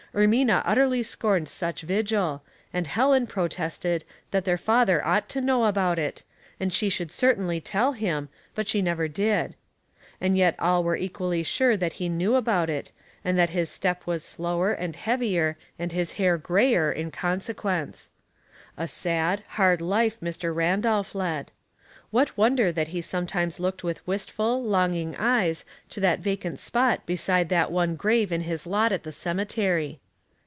Ermina utterly scorned such vigil, and Helen protested that their father ought to know about it, and she should certainly tell him, but she never did ; and yet all were equally sure that he knew about it, and that his step was slower and heavier and his hair grayer in consequence. A sad, hard life Mr. Randolph led. What wonder that he sometimes looked with wistful, longing eyes to that vacant spot beside that one grave in his lot at the cemetery.